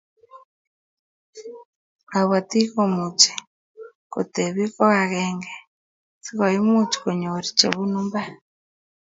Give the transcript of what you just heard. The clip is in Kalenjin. kabatik komuchi kotebi ko akenge sikoimuch konyor chebunu mbar